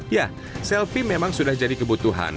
ya selfie memang sudah jadi kebutuhan